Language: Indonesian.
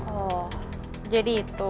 oh jadi itu